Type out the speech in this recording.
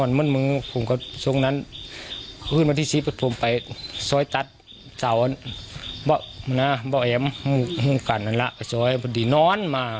แล้วตกลงน้องชมพู่ฉันก็ทำ